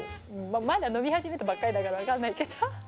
まだ飲み始めたばっかりだから分かんないけど。